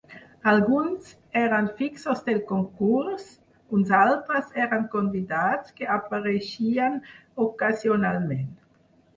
Alguns, eren fixos del concurs, uns altres eren convidats que apareixien ocasionalment.